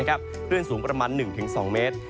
คลื่นสูงประมาณ๑๒เมตร